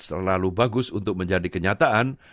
terlalu bagus untuk menjadi kenyataan